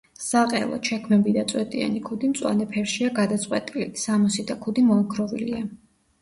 საყელო, ჩექმები და წვეტიანი ქუდი მწვანე ფერშია გადაწყვეტილი; სამოსი და ქუდი მოოქროვილია.